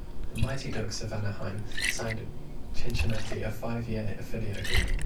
The Mighty Ducks of Anaheim signed Cincinnati a five-year affiliate agreement.